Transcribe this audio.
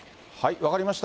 分かりました。